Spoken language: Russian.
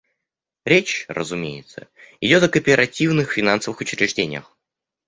Речь, разумеется, идет о кооперативных финансовых учреждениях.